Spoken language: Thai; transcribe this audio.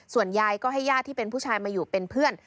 ส่วนยายก็ให้ญาติที่เป็นผู้ชายมาอยู่เป็นเพื่อน